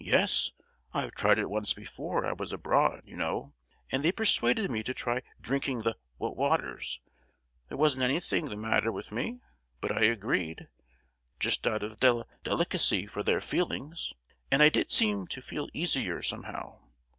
"Yes. I've tried it once before: I was abroad, you know, and they persuaded me to try drinking the wa—waters. There wasn't anything the matter with me, but I agreed, just out of deli—delicacy for their feelings; and I did seem to feel easier, somehow.